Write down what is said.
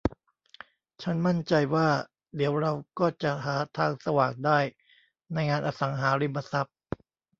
ฉันมั่นใจว่า เดี๋ยวเราก็จะหาทางสว่างได้ในงานอสังหาริมทรัพย์